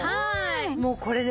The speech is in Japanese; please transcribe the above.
もうこれね